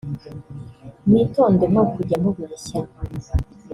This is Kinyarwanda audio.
mwitonde mwo kujya mubeshya